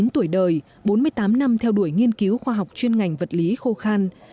chín mươi tuổi đời bốn mươi tám năm theo đuổi nghiên cứu khoa học chuyên ngành vật lý khô khan